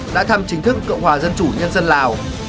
đã thăm chính thức cộng hòa dân chủ nhân dân lào